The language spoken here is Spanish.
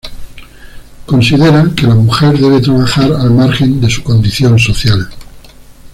Considera que la mujer debe trabajar al margen de su condición social.